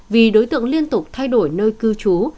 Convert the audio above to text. vì đối tượng liên tục thay đổi nơi cư trú